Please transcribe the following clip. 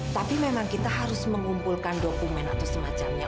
tapi memang kita harus mengumpulkan dokumen atau semacamnya